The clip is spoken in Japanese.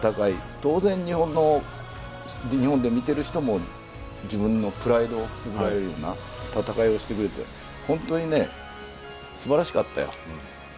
当然、日本で見ている人も自分のプライドを揺さぶられる世界で戦いをしてくれて本当に素晴らしかったよ。